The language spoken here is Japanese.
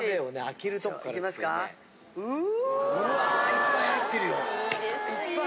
いっぱい入ってる！